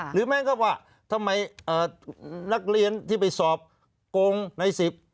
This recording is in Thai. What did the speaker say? หรือแม่งก็ว่าทำไมนักเรียนที่ไปสอบกงในสิบ